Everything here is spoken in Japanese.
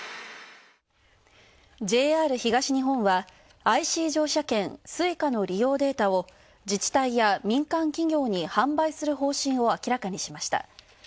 ＪＲ東日本はＩＣ乗車券・Ｓｕｉｃａの利用データを自治体や民間企業に販売する方針を明らかにしました。